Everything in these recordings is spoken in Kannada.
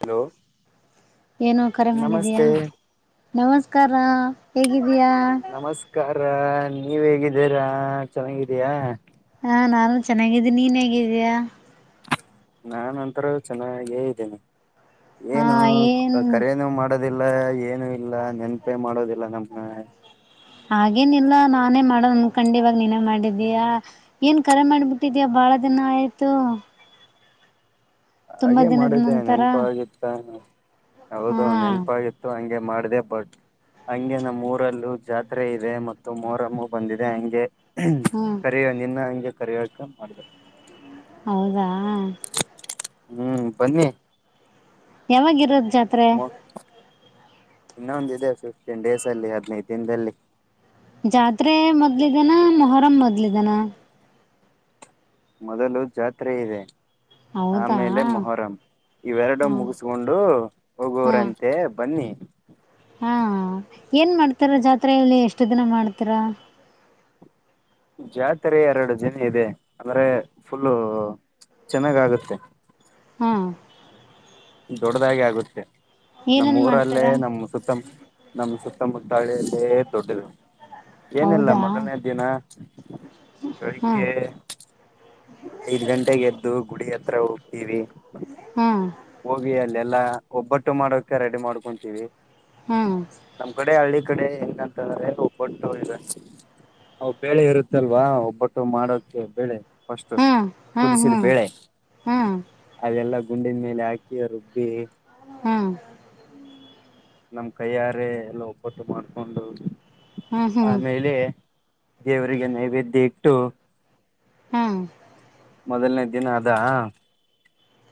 ಹಲೋ ಏನ್ ಕರೆ ಮಾಡಿದೀಯ ನಮಸ್ತೆ ಮೋಸಗಾರ ಹೇಗಿದ್ದೀಯಾ. ಹ ನೀವ್ ಹೇಗಿದ್ದೀರಾ ಚೆನ್ನಾಗಿದೀಯಾ. ಹಾ ನಾನು ಚೆನ್ನಾಗಿದ್ದೀನಿ ನೀನ್ ಹೇಗಿದ್ದೀಯ. ನಾನೂಅಂತರೂ ಚೆನ್ನಾಗೇ ಇದ್ದೇನೆ ಹಾ ಏನು ಏನ್ ಕರೆಯನೂ ಮಾಡೋದು. ಇಲ್ಲ ಏನು ಇಲ್ಲ ನೆನ್ಪೇ ಮಾಡೋದಿಲ್ಲ ನಮ್ನ. ಹಾಗೇನ ಇಲ್ಲ ನಾನೇ ಮಾಡೋನ್ ಕಂಡ ಇವಾಗ ನೀನೇ ಮಾಡಿದೀಯ ಏನ್ ಕರೆ ಮಾಡ್ಬಿಟ್ಟಿದ್ಯಾ ಬಾ ಬಹಳ ದಿನ ಆಯ್ತು. ತುಂಬಾ ಹಾಗೆ ದಿನದ ಮಾಡಿದ್ದೆ ನಂತರ ನೆನಪಗಿತ್ತ ಹಾ ಹೌದು ನೆನಪಾಗಿತ್ತು ಹ ಗೆ ಮಾಡಿದೆ ಬಟ್. ಹಂಗೆ ನಮ್ಮೂಊರಲ್ಲೂ ಜಾತ್ರೆ ಇದೆ ಮತ್ತು ಮೋರಮ್ಮ ಬಂದಿದೆ ಹಂಗೆ. ಹ್ಮ್ ಕರಿಯ ನಿನ್ನ ಹಂಗೆ ಕರೆಯೋಕ್ಕೆ ಮಾಡಬೇಕು. ಹೌದಾ ಹ್ಮ್ ಬನ್ನಿ ಯಾವಾಗ್ ಇರೋದು ಜಾತ್ರೆ ಇನ್ನೊಂದು ಇದೆ ಫಿಫ್ಟೀನ್ ಡೇಸ್ ಅಲ್ಲಿ ಹದಿನೈದು ದಿನದಲ್ಲಿ ಜಾತ್ರೆ ಮೊದ್ಲಿದನಾ ಮೊಹರಂ ಮೊದ್ಲಿದಾನ ಮೊದಲು ಜಾತ್ರೆ ಇದೆ ಹೌದಾ ಆಮೇಲೆ ಮೊಹರಂ ಇವೆರಡೂ ಹಾ ಮುಗಿಸಕೊಂಡು ಹಾ ಹೋಗುರಂತೆ ಬನ್ನಿ ಹಾ ಏನ್ ಮಾಡ್ತಾರೆ ಜಾತ್ರೆಯಲ್ಲಿ ಎಷ್ಟು ದಿನ ಮಾಡ್ತೀರ ಜಾತ್ರೆ ಎರಡು ದಿನೆ ಇದೆ ಅಂದ್ರೆ ಪುಲ್ಲು ಚೆನ್ನಾಗ ಆಗುತ್ತೆ ಹ ದೊಡ್ಡದಾಗೆ ಆಗುತ್ತೆ ನಮ್ಮ ಏನನ್ ಊರಲ್ಲೇ ಮಾಡ್ತಾರ ನಮ್ಮ್ ಸುತ್ತ ಮು ನಮ್ಮ ಸುತ್ತಮುತ್ತ ಹಳ್ಳಿಯಲ್ಲೇ ದೊಡ್ಡದು ಏನಿಲ್ಲ ಹೌದಾ ಮೊದಲನೇ ದಿನ ಹಾ ಬೆಳಿಗ್ಗೆ ಐದು ಗಂಟೆಗೆ ಎದ್ದು ಗುಡಿ ಹತ್ರ ಹೋಗ್ತೀವಿ ಹ ಹೋಗಿ ಅಲ್ಲಿ ಎಲ್ಲಾ ಒಬ್ಬಟ್ಟು ಮಾಡೋಕೆ ರೆಡಿ ಮಾಡ್ಕೊಂತೀವಿ ಹಾ ನಮ್ ಕಡೆ ಹಳ್ಳಿ ಕಡೆ ಹೆಂಗಂತಂದ್ರೆ ಒಬ್ಬಟ್ಟು ಇವೆ ಹ ಬೇಳೆ ಇರುತ್ತಲ್ವಾ ಒಬ್ಬಟ್ಟು ಮಾಡೋಕೆ ಬೇಳೆ ಫಸ್ಟು ಹಾ ಹಾ ಹಾ ಕುದಿಸಿದ ಬೆೇಳೆ ಹಾ ಅದೆಲ್ಲ ಗುಂಡಿನ ಮೇಲ್ ಆಕಿ ರುಬ್ಬೀ ಹ ನಮ್ ಕೈಯಾರೆ ಎಲ್ಲಾ ಒಬ್ಬಟ್ಟು ಮಾಡ್ಕೊಂಡು ಹ್ಮ್ ಹ್ಮ್ ಆಮೇಲೆ ದೇವರಿಗೆ ನೈವೇದ್ಯ ಇಟ್ಟು ಹ ಮೊದಲನೇ ದಿನ ಅದಾ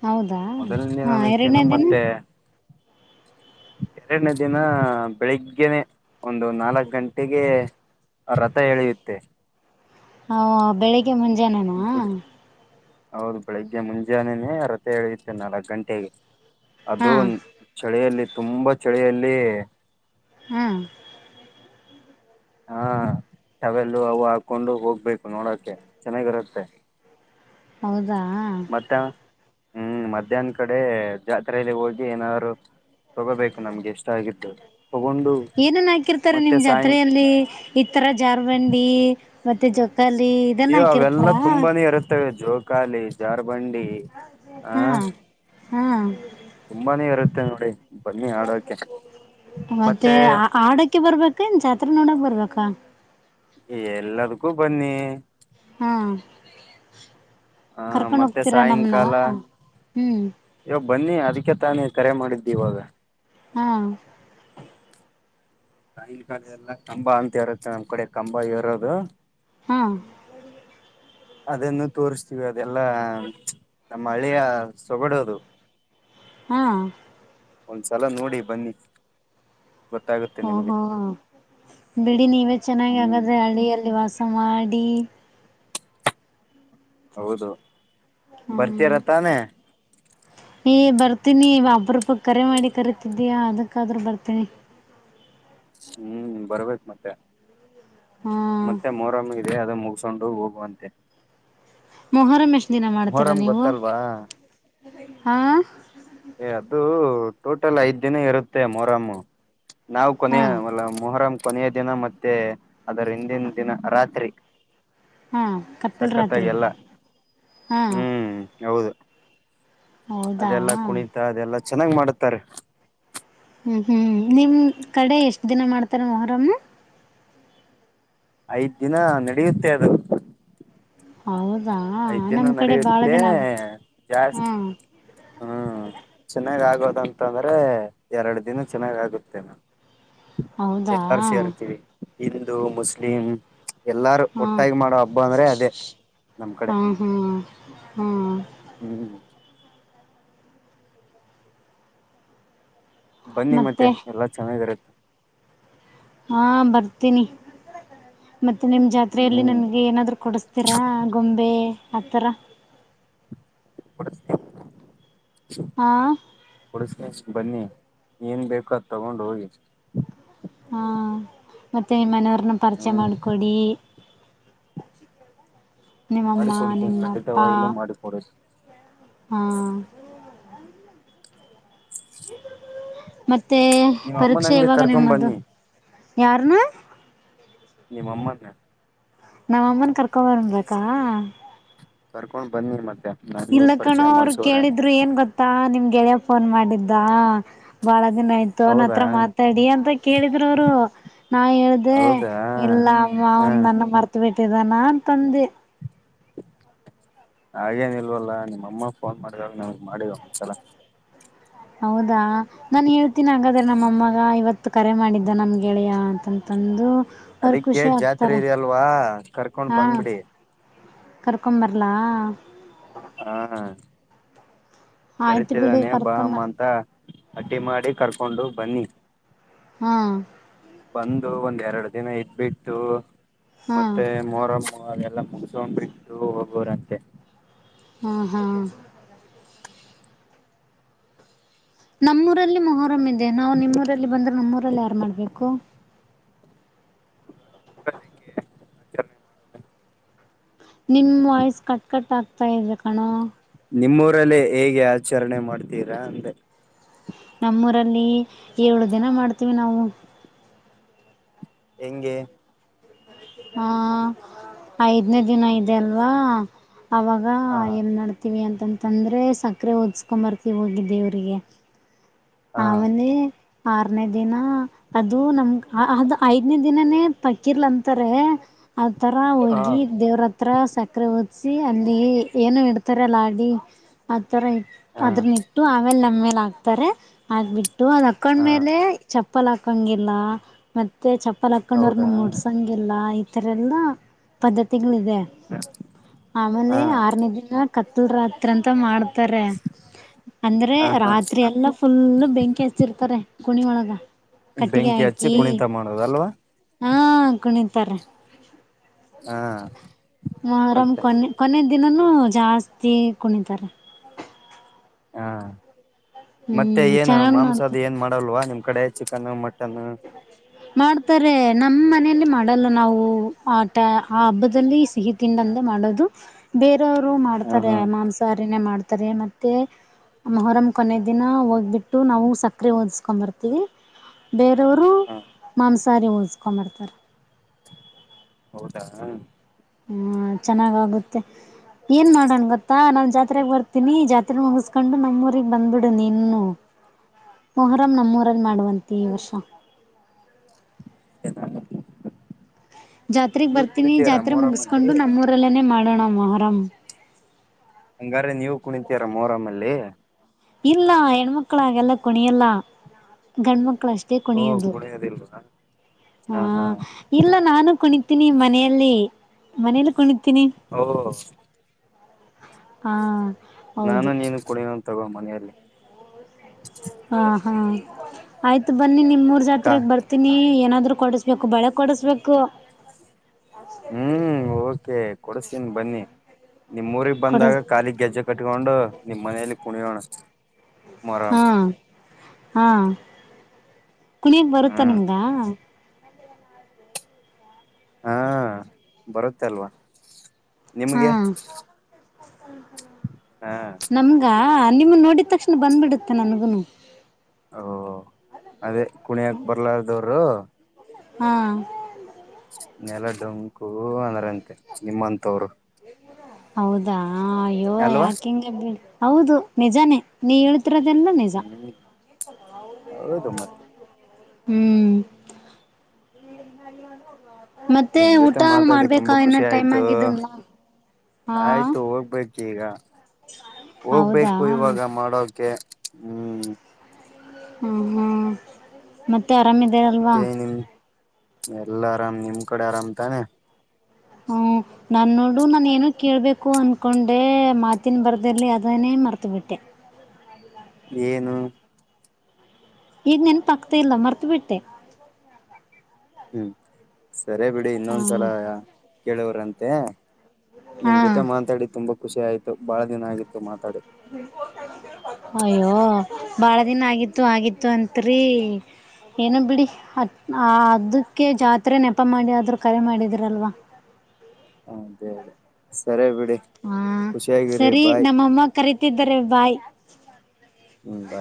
ಹೌದಾ ಮೊದಲನೇ ಹಾ ಎರಡನೇ ಅನಕ್ಕೆನು ದಿನ ಮತ್ತೆ ಎರಡನೇ ದಿನ ಬೆಳಗ್ಗೆನೆ ಒಂದು ನಾಲ್ಕ್ ಗಂಟೆಗೆ ರಥ ಎಳಿಯುತ್ತೆ ಹ ಬೆಳಿಗ್ಗೆ ಮುಂಜಾನೇನ ಗುಡಿ ಹೌದು ಬೆಳಿಗ್ಗೆ ಮುಂಜಾನೆನೇ ರಥ ಎಳೆಯುತೆೇ ನಾಲ್ಕು ಗಂಟೆಗೆ ಹಾ ಅದು ಒಂ ಚಳಿಯಲ್ಲಿ ತುಂಬಾ ಚಳಿಯಲ್ಲಿ ಹ್ಮ್ ಹಾ ಟವೆೆಲ್ಲೂ ಅವು ಹಾಕೊಂಡು ಹೋಗ್ಬೇಕು ನೋಡಕೆ ಚೆನ್ನಾಗಿರತ್ತೆ. ಹೌದಾ ಹ್ಮ್ ಮಧ್ಯಾಹ್ನ ಕಡೆ ಜಾತ್ರೆಗೆ ಹೋಗಿ ಏನಾದ್ರು ತಗೋಬೇಕು ನಮ್ಗೆ ಇಷ್ಟ ಆಗಿದ್ದು ತಗೊಂಡು ಏನನ್ ಹಾಕಿರ್ತಾರೆ ಮತ್ತೆ ನಿಮ್ ಸಾಯಿ ಜಾತ್ರೆಯಲ್ಲಿ ಇತರ ಜಾರ್ಬಂಡಿ ಮತ್ತೆ ಜೊ ಅಯ್ಯೋ ಅವೆಲ್ಲಾ ತುಂಬಾನೇ ಇರುತ್ತವೆ. ಜೋಕಾಲಿ ಜಾರ್ಬಂಡಿ ಹ ಹಾ ಹಾ ತುಂಬಾನೇ ಇರುತ್ತೆ ನೋಡಿ ಬನ್ನಿ ಆಡೋಕೆ ಮತ್ತೆ ಆ ಆಡೋಕೆ ಬರ್ಬೇಕ ಏನ್ ಜಾತ್ರೆ ನೋಡಕ್ ಬರ್ಬೇಕ ಕ ಎಲ್ಲಾದಕ್ಕೂ ಬನ್ನಿ ಹಾ ಆ ಕರ್ಕೊಂಡು ಮತ್ತೆ ಹೋಗ್ತೀರಾ ನಮ್ನ ಹ್ಮ್ ಅಯ್ಯೋ ಬನ್ನಿ ಅದಕ್ಕೆ ತಾನೇ ಕರೆ ಮಾಡಿದ್ದು ಇವಾಗ ಹಾ ಕಾಯಿಲ್ ಕಾಲು ಎಲ್ಲಾ ಕಂಬ ಅಂತ ಇರುತ್ತೆ ನಮ್ ಕಡೆ ಕಂಬ ಹೆರೋದು ಹ ಅದನ್ನು ತೋರಿಸ್ತೀವಿ ಅದೆಲ್ಲಾ ನಮ್ಮ ಹಳಿಯ ಸೊಗಡು ಅದು [inaudible] ಹಾ ಒಂದ್ಸಲ ನೋಡಿ ಬನ್ನಿ ಗೊತ್ತ ಓ ಹೋ ಬಿಡಿ ನೀವೇ ಚೆನ್ನಾಗಿ ಹ್ಮ್ ಆಗಾದ್ರೆ ಹಳ್ಳಿಯಲ್ಲಿ ವಾಸ ಮಾಡ ಮಾಡಿ ಹೌದು ಹ್ಮ್ ಬರ್ತಾರ ತಾನೆ ಏ ಬರ್ತೀನಿ ಅಪ್ಪರೂಪಕ್ಕೆ ಕರೆ ಮಾಡಿ ಕರಿತಿದ್ದೀಯ ಅದಕ್ಕಾದ್ರೂ ಬರ್ತೀನಿ ಹ್ಮ್ ಬರ್ಬೇಕು ಮತ್ತೆ ಹಾ ಮತ್ತೆ ಮೊರಮ್ ಇದೆ ಅದ ಮುಗಿಸಿಕೊಂಡು ಹೋಗುವಂತೆ ಮೊಹಮ್ ಎಷ್ಟು ದಿನ ಮಾಡ್ತೀರ ಮೊಹರಂ ನೀವು ಗೊತ್ತಲ್ವಾ ಹಾ ಏ ಅದು ಟೋಟಲ್ ಐದ್ ದಿನ ಇರುತ್ತೆ ಮೊಹರ್ ನಾವು ಹಾ ಕೊನೆ ಮೊಹರಂ ಕೊನೆಯ ದಿನ ಮತ್ತೆ ಅದರ ಹಿಂದಿನ ದಿನ ರಾತ್ರಿ ಹಾ ಕತ್ತಲ್ ಸಕ್ಕತ್ತಾಗಿ ರಾತ್ರಿ ಎಲ್ಲ ಹಾ ಹ್ಮ್ ಹೌದು ಹೌದಾ ಅದೆಲ್ಲಾ ಕುಣಿತ ಅದೆಲ್ಲಾ ಚೆನ್ನಾಗ್ ಮಾಡುತ್ತಾರೆ ಹ್ಮ್ ಹ್ಮ್ ನಿಮ್ ಕಡೆ ಎಷ್ಟ್ ದಿನ ಮಾಡ್ತಾರ ಮೊಹರಮ್ಮ ಐದ್ ದಿನ ನಡೆಯುತ್ತೆ ಅದು ಹೌದಾ ಐದ್ ದಿನ ನಮ್ ಕಡೆ ಬಾಳ ನಡೆಯುತ್ತೆ ದಿನ ಆಗುತ್ತೆ ಹಾ ಹ್ಮ ಚೆನ್ನಾಗ ಆ ಆಗೋದಂತಂದ್ರೆ ಎರಡು ದಿನ ಚೆನ್ನಾಗ್ ಆಗುತ್ತೆ ನಾ ಹೌದಾ ಎಲ್ಲಾರ ಸೇರ್ತೀರಿ ಹಿಂದೂ ಮುಸ್ಲಿಂ ಎಲ್ಲಾರು ಒಟ್ಟಾಗಿ ಮಾಡೋ ಹಬ್ಬ ಅಂದ್ರೆ ಅದೇ ನಮ್ ಕಡೆ ಹ್ಮ್ ಹ್ಮ್ ಹ್ಮ್ ಹ್ಮ್ ಬನ್ನಿ ಮತ್ತೆ ಮತ್ತು ಎಲ್ಲಾ ಚೆನ್ನಾಗಿರತ್ತೆ ಹಾ ಬರ್ತೀನಿ ಮತ್ತೆ ನಿಮ್ಮ ಜಾತ್ರೆಯಲ್ಲಿ ಹ್ಮ್ ನನಗೆ ಏನಾದರೂ ಕೊಡಿಸ್ತೀರಾ ಗೊಂಬೆ ಆತರ ಕೊಡಿಸ್ತೀನಿ ಹಾ ಕೊಡಿಸ್ತೀನಿ ಬನ್ನಿ ಏನ್ ಬೇಕು ಅದ ತಗೊಂಡ್ ಹೋಗಿ ಹಾ ಮತ್ತೆ ನಿಮ್ಮ ಮನೆಯವ್ರನ್ನ ಪರಿಚಯ ಹ್ಮ್ ಮಾಡಿಕೊಡಿ ನಿಮ್ಮಮ್ಮ ಮಾಡಿ ಕೊಡ್ತೀನಿ ನಿಮ್ಮ ಖಂಡಿತವಾಗಿನೂ ಮಾಡಿಕೊಡುತೀನಿ ಹ್ಮ ಮತ್ತೆ ನಿಮ್ಮ ಅಮ್ಮನ ಪರೀಕ್ಷೆ ಹಂಗೆ ಯಾವಾಗ ಕರ್ಕೊಂಡ್ ನಿಮ್ಮದು ಬನ್ನಿ ಯಾರನ್ನ ನಿಮ್ಮಮ್ಮನ್ನ ನಾವ್ ಅಮ್ಮನ ಕರ್ಕೋಬರ್ಬೇಕಾ ಕರ್ಕೊಂಡ್ ಬನ್ನಿ ಮತ್ತೆ ನನ್ಗೂ ಇಲ್ಲ ಪರಿಚಯ ಕಣೋ ಅವರು ಮಾಡ್ಸವ್ರೆ ಅಂತೆ ಕೇಳಿದ್ರು ಏನ್ ಗೊತ್ತಾ ನಿಮ್ಗೆಳೆಯ ಫೋನ್ ಮಾಡಿದ್ದ ಬಾಳ ದಿನ ಆಯ್ತು ಅವನ ಹೌದಾ ಹತ್ರ ಮಾತಾಡಿ ಅಂತ ಕೇಳಿದ್ರ ಅವರು ನಾ ಹೇಳ್ದೆ ಹೌದಾ ಇಲ್ಲ ಅಮ್ಮ ಹಾ ಅವನ್ ನನ್ನ ಮರ್ತ ಬಿಟ್ಟಿದ್ದಾನ ಅಂತಂತಂದೆ ಹಾಗೇನ ಇಲ್ವಲ್ಲ ನಿಮ್ಮಮ್ಮ ಫೋನ್ ಮಾಡಿದಾಗ ನಮಗ್ ಮಾಡಿದ್ರು ಒಂದು ಸಾಲ ಹೌದಾ ನಾನ್ ಹೇಳ್ತೀನಿ ಹಾಗಾದ್ರ ನಮ್ಮಅಮ್ಮಗ ಇವತ್ತು ಕರೆ ಮಾಡಿದ್ದ ನಮ್ಗೆಳೆಯ ಅಂತಂತಂದು ಅವ್ರು ಅದಿಕ್ಕೆ ಖುಷಿ ಜಾತ್ರೆ ಆಗ್ತಾರೆ ಇದ ಅಲ್ವಾ ಕರ್ಕೊಂಡ್ ಹಾ ಬಂದ್ ಬಿಡಿ ಕರ್ಕೊಂಬರ್ಲಾ ಹಾ ಹ ಆಯ್ತು ಬಿಡು ಕರಿತಿದಾನೆ ಬಾ ಕರ್ಕೊಂಬ ಅಮ್ಮ ಅಂತ ಅಡ್ಡಿ ಮಾಡಿ ಕರ್ಕೊಂಡು ಬನ್ನಿ ಹ್ಮ್ ಬಂದು ಒಂದ್ ಎರಡು ದಿನ ಇದ್ಬಿಟ್ಟು ಹಾ ಮತ್ತೆ ಮೊರಮ್ ಅವೆಲ್ಲಾ ಮುಗಿಸಕೊಂಡ್ ಬಿಟ್ಟು ಹೋಗೋರಂತೆ. ಹ್ಮ್ ಹ್ಮ್ ನಮ್ಮೂರಲ್ಲಿ ಮೊಹರಂ ಇದೆ ನಾವು ನಿಮ್ಮೂಊರಲ್ಲಿ ಬಂದ್ರೆ ನಮ್ಮೂರಲ್ಲಿ ಯಾರು ಮಾಡ್ಬೇಕು. ಮೂರಲ್ಲಿಂಗೆ ಆಚರಣೆ ಮಾಡೋದ. ನಿಮ್ಮ ವಾಯ್ಸ್ ಕಟ್ ಕಟ್ ಆಗ್ತಾ ಇದೆ ಕಣೋ. ನಿಮ್ಮೂರಲ್ಲೇ ಹೇಗೆ ಆಚರಣೆ ಮಾಡ್ತೀರಾ ಅಂದೆ. ನಮ್ಮೂರಲ್ಲಿ ಏಳು ದಿನ ಮಾಡ್ತೀವಿ ನಾವು. ಹೆಂಗೆ. ಹಾ ಐದನೇ ದಿನ ಇದೆ ಅಲ್ವಾ. ಆವಾಗ ಹಾ ಏನು ನಡ್ತೀವಿ ಅಂತ್. ಅಂತಂದ್ರೆ ಸಕ್ಕರೆ ಓದ್ಸ್ಕೊ ಬರ್ತೀವಿ ಹೋಗಿ ದೇವ್ರರಿಗೆ ಹಾ ಆಮೇಲೆ. ಆರನೇ ದಿನ ಅದು ನಮ್ ಅದ್ ಐದನೇ ದಿನನೇ ಪಕಿರ್ಲಂತಾರೆ. ಆತರ ಹ ಹೋಗಿ ದೇವ್ರತ್ರ ಸಕ್ಕರೆಹೋದ್ ಅಲ್ಲಿ ಏನು ಇಡ್ತಾರೆ ಅ ಲಾಡಿ ಆ ತರ ಇಟ್ ಹಾ ಅದನ್ನ ಇಟ್ಟು ಆಮೇಲ್ [unintelligible] ಮೇಲೆ ಹಾಕ್ತಾರೆ ಹಾಕ್ಬಿಟ್ಟು ಅದು ಹಾ ಹಾಕೊಂಡ್ಮೇಲೆ ಚಪ್ಪಲ್ ಹಾಕಂಗಿಲ್ಲ ಮತ್ತ್ [unintelligible] ತ್ತೆ ಚಪ್ಪಲ್ ಹಾಕ್ಕೊಂಡೋರನ್ನ ಹೌದಾ ಮುಡ್ಸಂಗಿಲ್ಲ ಈತರಲ್ಲ ಪದ್ಧ [unintelligible] ತಿಗಳಿದೆ ಹಾ ಆಮೇಲೆ ಆರನೇ ದಿನ ಕತ್ತಲ್ ರಾತ್ರಿ ಅಂತ ಮಾಡ್ [unintelligible] ರೆ ಅಂದ್ರೆ ಹ ಹಾ ರಾತ್ರಿ ಎಲ್ಲ. ಎಲ್ಲೂ ಬೆಂಕಿ ಹಚ್ಚಿರ್ತಾರೆ ಕುಣಿ ಒಳಗ. ಕಟ್ಟಿಗೆ ಬೆಂಕಿ ಹಚ್ಚಿ ಹಾಕಿ ಕುಣಿತ ಮಾಡುದ ಅಲ್ವಾ. ಹಾ ಕುಣಿತಾರೆ. ಹಾ. ಮೋರಾಮ್ ಮತ್ತೆ ಕೊನೆ ಕೊನೆ ದಿನನುೂ ಜಾಸ್ತಿ ಕುಣಿತಾರೆ. ಹಾ ಮತ್ತೆ ಹ್ಮ್ ಏನು ಚೆನ್ನಾಗ್ ಮಾಂಸದ ಮಾಡ್ತಾರೆ ಏನ್ ಮಾಡಲ್ವಾ ನಿಮ್ ಕಡೆ ಚಿಕನ್ ಮಟನ್ನು. ಮಾಡ್ತಾರೆ ನಮ್ಮ ಮನೆಯಲ್ಲಿ ಮಾಡಲ್ಲ ನಾವು ಆಟ ಆ ಹಬ್ಬದಲ್ಲಿ ಸಿಹಿ ತಿಂಡಂ ಮಾಡದು ಬೇರೆಯವರು ಹ ಮಾಡ್ತಾರೆ ಹಾ ಮಾಂಸಾಹಾರಿನೇ ಮಾಡ್ತಾರೆ ಮತ್ತೆ. ಮೋಹರಮ್ ಕೊನೆ ದಿನ ಹೋಗ್ಬಿಟ್ಟು ನಾವು ಸಕ್ಕರಿ ಓದಸ್ಕೊಂಡ್ ಬರ್ತೀವಿ. ವರು ಹ ಮಾಂಸಹಾರಿ ಹೋದುಸಕೊಂಬರ್ತಾರೆ. ಹೌದಾ ಹ. ಹ್ಮ ಚೆನ್ನಾಗಾಗುತ್ತೆ. ಏನ್ ಮಾಡೋಣ್ ಗೊತ್ತಾ ನಾನ್ ಜಾತ್ರೆಗ್ ಬರ್ತೀನಿ ಜಾತ್ರೆ ಮುಗಿಸ್ಕೊಂಡು ನಮ್ಮೂಊರಿಗ್ ಬಂದ್ಬಿಡ ನೀನುನು. ಮೊಹರಂ ನಮ್ಮೂರಲ್ಲಿ ಮಾಡುವಂತೆ ಈ ವರ್ಷ. [inaudible] ಜಾತ್ರೆಗ್ ನೀವು ಬರ್ತೀನಿ ಕುಣಿತೀರಾ ಜಾತ್ರೆ ಮೊಹರಂ ಅಲ್ಲಿ ಮುಗಸ್ಕೊಂಡು ನಮ್ಮೂರಲ್ಲೇನೆ ಮಾಡೋಣ ಮೋಹರಾಮ್. ಹಂಗಾರೆ ನೀವು ಕುಣಂತೀರ ಮೋರಮ್ಮಲ್ಲಿ. ಇಲ್ಲ ಹೆಣ್ಮಕ್ಳು ಹಾಗಿಲ್ಲ ಕುಣಿಯಲ್ಲ ಗಂಡ್ಮಕ್ [unintelligible] ಳಷ್ಟೇ ಓ ಕುಣಿಯದು ಕುಣಿಯೋದಿಲ್ವಾ ಹ ಇಲ್ಲ ನಾನು ಕುಣಿ [unintelligible] ನಿ ಮನೆಯಲ್ಲಿ ಮನಲಿ ಕುಣಿ ಹೌ ಹಾ. ನಾನು ಹೌದು ನೀನು ಕುಣಿಯೋಣ ತಗೋ ಮನೆಯಲ್ಲಿ. ಹಾ ಹಾ ಆಯ್ತು ಬನ್ನಿ ನಿಮೂರ್ ಕಾ ಜಾತ್ರೆಗ್ ಬರ್ತೀನಿ ಏನಾದ್ [unintelligible] ರು ಕೊಡಸ್ಬೇಕು ಬಳೆ ಕೊಡಸ್ಬೇಕು. ಹ್ಮ್ ಓಕೆ ಕೊಡಸ್ತೀನಿ ಬನ್ನಿ ನಿಮ್ ಊರಿಗ್ ಬಂದಾಗ ಕೊಡಸ್ ಕಾಲಿ ಗೆಜ್ಜೆ ಕಟ್ಟ್ [unintelligible] ಟ್ಕೊಂಡು ನಿಮ್ಮ ಮನೇಯಲ್ಲಿ ಕುಣಿಯೋಣ ಮೋಹರಂ. ಹಾ ಹಾ ಕುಣಿಯಕ್ ಬರುತ್ತ ಹ್ಮ್ ನಿಮ್ಗ. ಹಾ ಬರುತ್ತ್ ಅಲ್ವಾ ಹಾ ನಿಮ್ಗೆ. ಹಾ ಹಾ ನಿಮ್ಮನ್ ನೋಡಿದ ತಕ್ಷಣ ಬಂದ್ಬಿಡುತ್ತೆ ನನ್ಗುನು. ಓ ಅದೇ ಕುಣಿಯಕ ಬರ್ಲಾರ್ದವರು. ಹಾ. ನೆಲ ಡೊಂಕು ಅಂದ್ರಂತೆ ನಿಮ್ಮಂತವರು. ಹೌದಾ ಅಯ್ಯೋ ಯಾಕಿಂಗಗೆ ಬಿ ಹೌದು ನಿಜಾನೇ ನೀ. ಹೇಳ್ತಿರೋದೆಲ್ಲ ನಿಜ ಹ್ಮ್ ಹೌದು ಮತ್ತೆ. ಹ್ಮ್. [unintelligible] ಮತ್ತೆ ನಿಮ್ ಊಟ ಜೊತೆ ಮಾತಾಡಿ ಮಾಡ್ಬೇಕಾ ತುಂಬಾ ಏನ ಖುಷಿ ಟೈಮ್ ಆಯ್ತು ಆಗಿದನ್ ಹಾ. ಆಯ್ತು ಹೋಗ್ಬೇಕು ಈಗ ಹೌದಾ ಹೋಗ್ಬೇಕು ಇವಾಗ ಮಾಡೋಕೆ ಹ್ಮ್. ಹಾ ಹಾಂ ಮತ್ತೆ ಆರಾಮಿದಾರಲ್ವಾ. ಕೆ ನಿಮ್ ಎಲ್ಲಾ ಆರಾಮ್ ನಿಮ ಕಡೆ ಆರಾಮ್ ತಾನೆ. ಹ್ಮ್. ನಾನು ನೋಡು ನಾನುೇಏನ ಕೇಳಬೇಕು ಅಂದ್ಕೊಂಡೆ ಮಾತಿನ ಬರೆದಿರಲಿ ಅದನ್ನೇ ಮರ್ತುಬಿಟ್ಟೆ. ಏನು. ಈಗ ನೆನ್ ಪಕ್ತ ಇಲ್ಲ ಮರ್ತ ಬಿಿಟ್ಟೆ ಹ್ಮ್ ಸರಿೇ ಬಿಡಿ ಇನ್ನೊಂದ್ಸಲ ಕೇಳವ್ರಂತೆ ಹಾ ನಿಮ್ ಜೊತೆ ಮಾತಾಡಿ ತುಂಬಾ ಖುಷಿ ಆಯ್ತು ಬಹಳ ದಿನ ಆಗಿತ್ತು ಮಾತಾಡಿ ಅಯ್ಯೋ ಭಾಳ ದಿನ ಆಗಿತ್ತು ಆಗಿತ್ತು ಅತ್ ರೀ ಏನ ಬಿಡಿ ಅ ಅದಕ್ಕೆ ಜಾತ್ರೆ ನೆಪ ಮಾಡಿ ಆದ್ರೂ ಕರೆ ಮಾಡಿದಿರಲ್ವಾ ಹ ಸರಿ ಹಾ ಖುಷಿಯಾಗಿರಿ ಸರಿ ಬಾಯ್ ನಮ್ಮಮ್ಮ ಕರಿತಿದ್ದಾರೆ ಬಾಯ್ ಹ ಬ